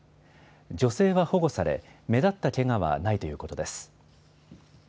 女性は保護され、目立ったけがはないということです。